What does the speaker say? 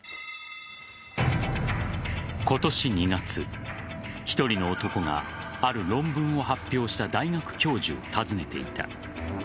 今年２月、１人の男がある論文を発表した大学教授を訪ねていた。